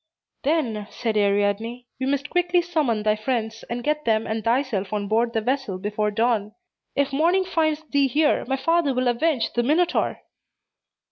"Then," said Ariadne, "we must quickly summon thy friends, and get them and thyself on board the vessel before dawn. If morning finds thee here, my father will avenge the Minotaur."